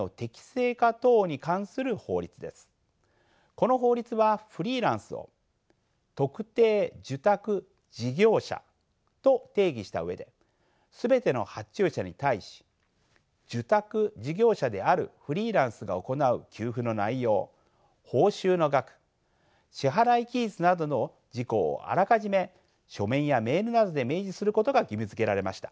この法律はフリーランスを特定受託事業者と定義した上で全ての発注者に対し受託事業者であるフリーランスが行う給付の内容報酬の額支払い期日などの事項をあらかじめ書面やメールなどで明示することが義務づけられました。